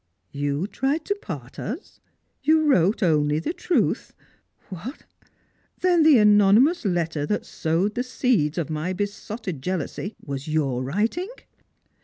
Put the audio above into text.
" You tried to part us — you wrote only the truth ! What ! Then the anonymous letter that sowed the seeds of my besotted jealousy was your writing